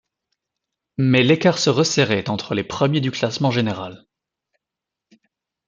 Mais l'écart se resserrait entre les premiers du classement général.